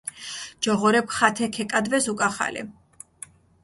ჯოღორეფქ ხათე ქეკადვეს უკახალე.